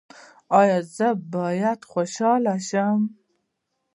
ایا زه باید خوشحاله شم؟